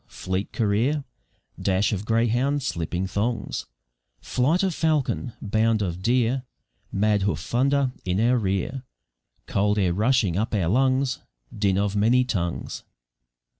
fleet career, Dash of greyhound slipping thongs, Flight of falcon, bound of deer, Mad hoof thunder in our rear, Cold air rushing up our lungs, Din of many tongues.